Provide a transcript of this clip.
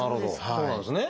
そうなんですね。